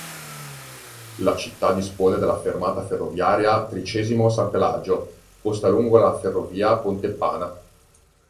La città dispone della fermata ferroviaria Tricesimo-San Pelagio, posta lungo la ferrovia Pontebbana.